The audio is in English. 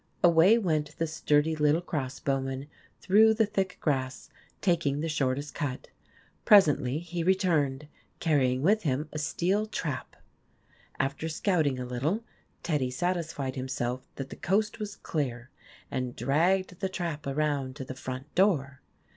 Away went the sturdy, small cross bowman through the thick grass, taking the shortest cut. Presently he returned, carrying with him a steel trap. After scouting a little, Teddy satisfied himself that the coast was clear, and dragged the trap around to the front door.